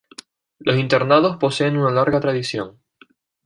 Los internados poseen una larga tradición.